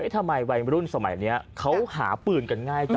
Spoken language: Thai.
ทำไมวัยรุ่นสมัยนี้เขาหาปืนกันง่ายจัง